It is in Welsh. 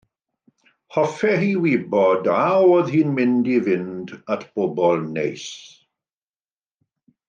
Hoffai hi wybod a oedd hi'n mynd i fynd at bobl neis.